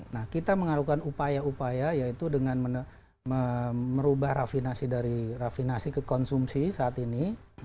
nah kita mengalukan upaya upaya yaitu dengan merubah rafinasi ke konsumsi saat ini